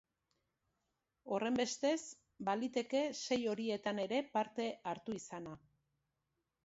Horrenbestez, baliteke sei horietan ere parte hartu izana.